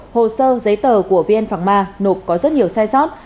hồ sơ giấy tờ của vn phạng ma nộp có rất nhiều sai sót